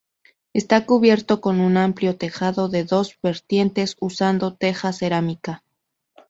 Está cubierto con un amplio tejado de dos vertientes usando teja cerámica.